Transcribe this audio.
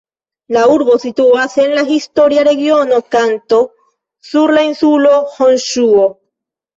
La urbo situas en la historia regiono Kanto, sur la insulo Honŝuo.